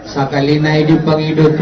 sekali lagi berhidup